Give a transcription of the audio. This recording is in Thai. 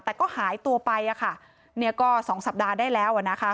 แต่ก็หายตัวไปอะค่ะเนี่ยก็สองสัปดาห์ได้แล้วอ่ะนะคะ